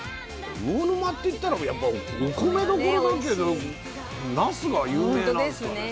魚沼っていったらやっぱお米どころだけどなすが有名なんですかね。